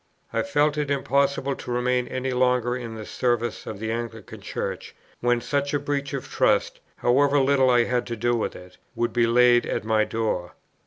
I felt it impossible to remain any longer in the service of the Anglican Church, when such a breach of trust, however little I had to do with it, would be laid at my door.